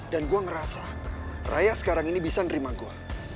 dan gue ngerasa raya sekarang ini bisa nerima gue